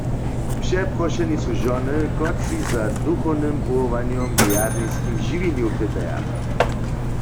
Přeprošeni su žony, kotřiž za duchownym powołanjom w rjadniskim žiwjenju pytaja.